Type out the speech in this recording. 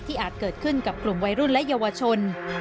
อาจเกิดขึ้นกับกลุ่มวัยรุ่นและเยาวชน